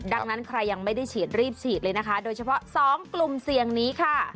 ดังนั้นใครยังไม่ได้ฉีดรีบฉีดเลยนะคะโดยเฉพาะ๒กลุ่มเสี่ยงนี้ค่ะ